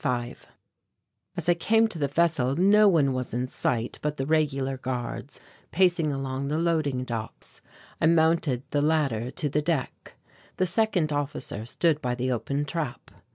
~5~ As I came to the vessel no one was in sight but the regular guards pacing along the loading docks. I mounted the ladder to the deck. The second officer stood by the open trap.